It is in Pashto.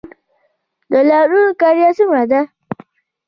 د لاریو کرایه څومره ده؟